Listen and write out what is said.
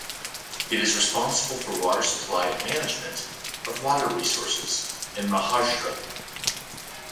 It is responsible for water supply and management of water resources in Maharashtra.